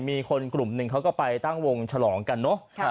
มีคนกลุ่มหนึ่งเขาก็ไปตั้งวงฉลองกันเนอะ